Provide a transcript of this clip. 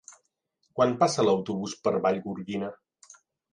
Quan passa l'autobús per Vallgorguina?